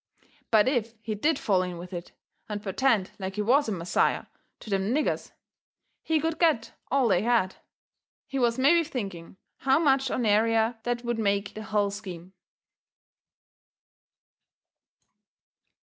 But if he did fall in with it, and pertend like he was a Messiah to them niggers, he could get all they had. He was mebby thinking how much ornerier that would make the hull scheme.